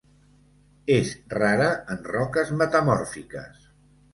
És rara en roques metamòrfiques.